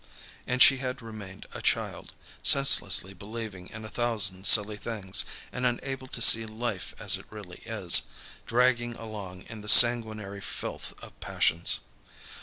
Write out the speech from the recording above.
And she had remained a child, senselessly believing in a thousand silly things, and unable to see life as it really is, dragging along in the sanguinary filth of passions.